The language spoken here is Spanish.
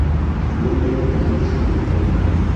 Murió en Beverly Hills, California.